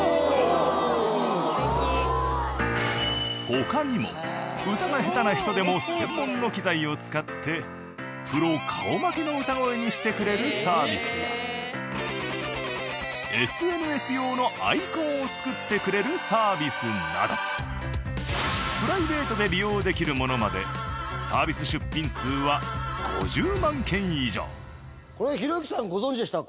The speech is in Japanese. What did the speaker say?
他にも歌が下手な人でも専門の機材を使ってプロ顔負けの歌声にしてくれるサービスやＳＮＳ用のアイコンを作ってくれるサービスなどプライベートで利用できるものまでひろゆきさんご存じでした？